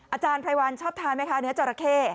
อาจารย์ไพรวัลชอบทานไหมคะเนื้อจราเข้